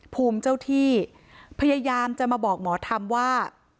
ภูมิเจ้าที่พยายามจะมาบอกหมอธรรมว่า